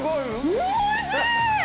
おいしい！